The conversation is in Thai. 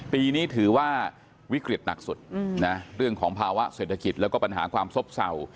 ปีนี้ถือว่าวิกฤตหนักสุดนะเรื่องของภาวะเศรษฐกิจแล้วก็ปัญหาความซบเศร้า